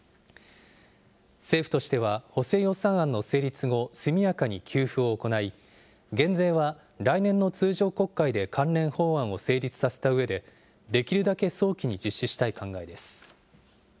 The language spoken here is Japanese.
政府としては補正予算案の成立後、速やかに給付を行い、減税は来年の通常国会で関連法案を成立させたうえで、できるだけ早期に実施したい考えです。